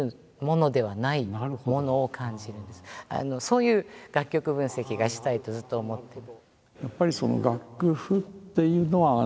そういう楽曲分析がしたいとずっと思って。